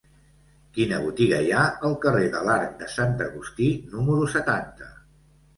Quina botiga hi ha al carrer de l'Arc de Sant Agustí número setanta?